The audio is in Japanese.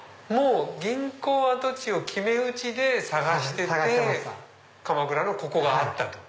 銀行跡地を決め打ちで探してて鎌倉のここがあったと。